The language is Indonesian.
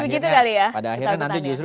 begitu kali ya pada akhirnya nanti justru